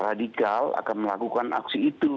radikal akan melakukan aksi itu